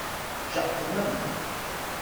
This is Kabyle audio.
Jeqqmem!